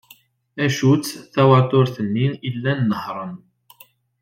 Acu-tt twaturt-nni i llant nehhrent?